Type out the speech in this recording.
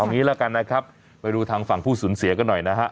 งี้แล้วกันนะครับไปดูทางฝั่งผู้สูญเสียกันหน่อยนะฮะ